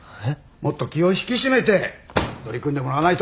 もっと気を引き締めて取り組んでもらわないと。